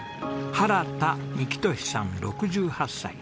原田幹寿さん６８歳。